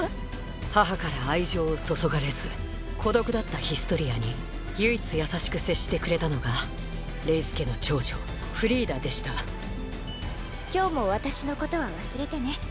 母から愛情を注がれず孤独だったヒストリアに唯一優しく接してくれたのがレイス家の長女フリーダでした今日も私のことは忘れてね。